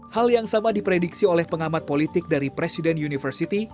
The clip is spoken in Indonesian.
hal yang sama diprediksi oleh pengamat politik dari presiden university